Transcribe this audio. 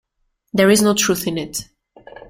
There is no truth in it.